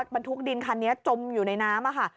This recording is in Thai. บรรทุกดินคันนี้จมอยู่ในน้ำค่ะ